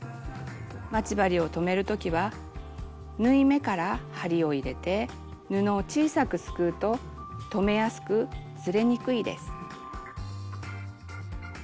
待ち針を留めるときは縫い目から針を入れて布を小さくすくうと留めやすくずれにくいです。